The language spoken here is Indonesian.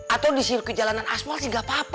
atau di sirkuit jalanan asfal sih gak apa apa